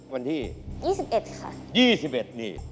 วันที่๒๑ค่ะ๒๑นี่